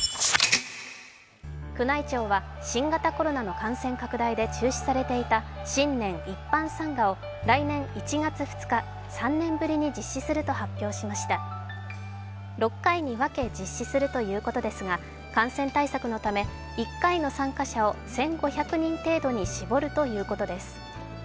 宮内庁は新型コロナの感染拡大で中止されていた新年一般参賀を来年１月２日３年ぶりに実施すると発表しました６回に分け実施するということですが、感染対策のため、１回の参加者を１５００人程度に絞るということです。